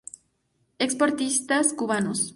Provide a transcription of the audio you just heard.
Expo Artistas Cubanos.